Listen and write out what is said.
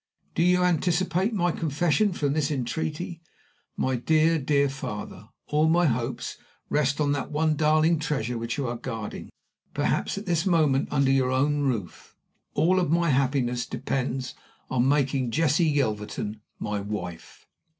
Do you anticipate my confession from this entreaty? My dear, dear father, all my hopes rest on that one darling treasure which you are guarding perhaps, at this moment, under your own roof all my happiness depends on making Jessie Yelverton my wife.